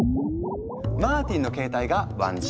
マーティンの携帯が１Ｇ。